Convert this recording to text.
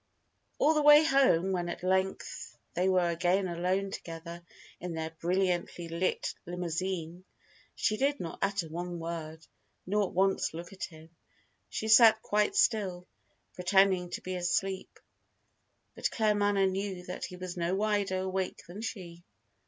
All the way home, when at length they were again alone together in their brilliantly lit limousine, she did not utter one word, nor once look at him. She sat quite still, pretending to be asleep, but Claremanagh knew that he was no wider awake than she.